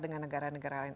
dengan negara negara lain